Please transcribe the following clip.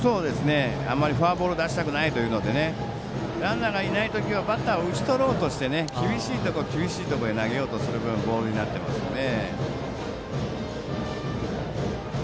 あまりフォアボールを出したくないということでランナーがいない時はバッターを打ち取ろうとして厳しいところ、厳しいところへ投げようとする分ボールになっていますよね。